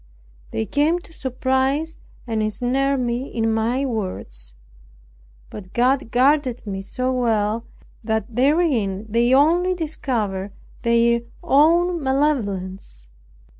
They came to surprise and ensnare me in my words; but God guarded me so well, that therein they only discovered their own malevolence.